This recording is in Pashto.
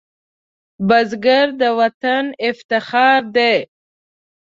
بزګر د وطن افتخار دی